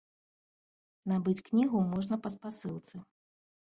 Набыць кнігу можна па спасылцы.